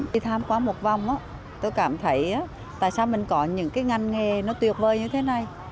khi tham qua một vòng tôi cảm thấy tại sao mình có những ngành nghề tuyệt vời như thế này